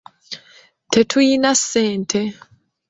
Tetuyina ssente.